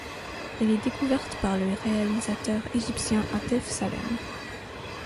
Elle est découverte par le réalisateur égyptien Atef Salem.